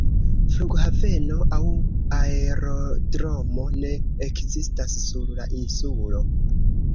Flughaveno aŭ aerodromo ne ekzistas sur la insulo.